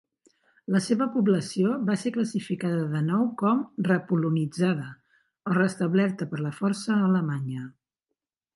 La seva població va ser classificada de nou com "repolonitzada" o restablerta per la força a Alemanya.